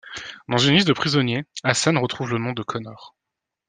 Dans une liste de prisonniers, Hasan retrouve le nom de Connor.